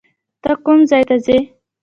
ته کوم ځای ته ځې؟